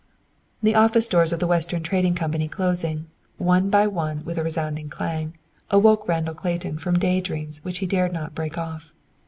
The office doors of the Western Trading Company closing, one by one, with a resounding clang, awoke Randall Clayton from day dreams which he dared not break off.